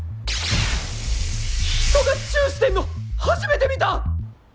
人がチューしてんの初めて見た！